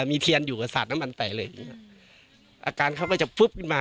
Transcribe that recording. เอ่อมีเทียนอยู่กับสาธานมันไปเลยอาการเค้าก็จะปุ๊ปกยืนมา